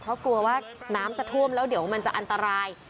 เพราะกลัวว่าน้ำจะท่วมแล้วเดี๋ยวมันจะอันตราย